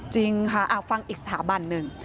จริงค่ะฟังอีกสถาบันหนึ่ง